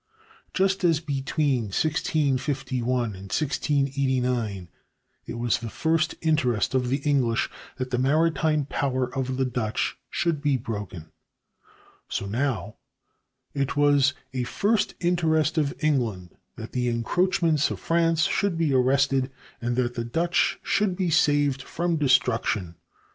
Just as between 1651 and 1689 it was the first interest of the English that the maritime power of the Dutch should be broken, so now, "it was a first interest of England that the encroachments of France should be arrested, and that the Dutch should be saved from destruction.